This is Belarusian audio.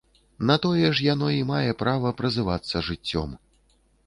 На тое ж яно і мае права празывацца жыццём.